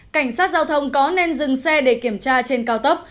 cảnh sát giao thông có nên dừng xe để kiểm tra trên cao tốc